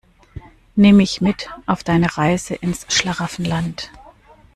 Nimm mich mit auf deine Reise ins Schlaraffenland.